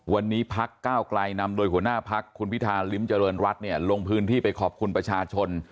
วันนี้พักก้าวไกลนำโดยหัวหน้าพักคุณพิธาลิ้มเจริญรัฐเนี่ยลงพื้นที่ไปขอบคุณประชาชน